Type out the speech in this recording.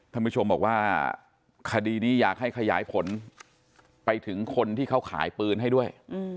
ท่านผู้ชมบอกว่าคดีนี้อยากให้ขยายผลไปถึงคนที่เขาขายปืนให้ด้วย